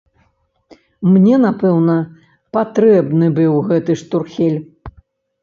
Мне, напэўна, патрэбны быў гэты штурхель.